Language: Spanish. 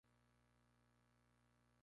Contenido relacionado con Cuba.